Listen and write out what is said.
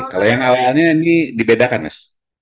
kalau yang awalnya ini dibedakan mas